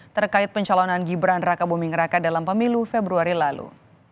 terkait pencalonan gibran raka buming raka dalam pemilu februari lalu